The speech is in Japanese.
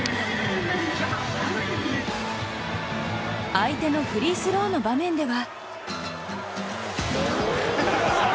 相手のフリースローの場面では。